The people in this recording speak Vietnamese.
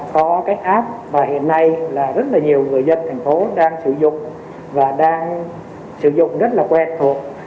có cái app và hiện nay là rất là nhiều người dân thành phố đang sử dụng và đang sử dụng rất là quen thuộc